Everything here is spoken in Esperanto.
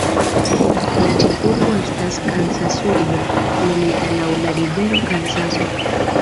La ĉefurbo estas Kansasurbo, nomita laŭ la rivero Kansaso.